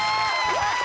やった！